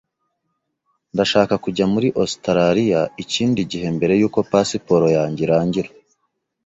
Ndashaka kujya muri Ositaraliya ikindi gihe mbere yuko pasiporo yanjye irangira.